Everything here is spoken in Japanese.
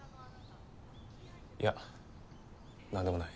いやなんでもない。